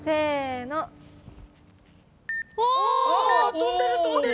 飛んでる飛んでる！